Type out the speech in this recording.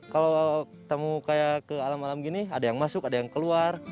kalau ketemu kayak ke alam alam gini ada yang masuk ada yang keluar